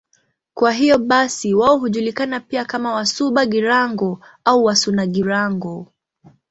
Kwa hiyo basi wao hujulikana pia kama Wasuba-Girango au Wasuna-Girango.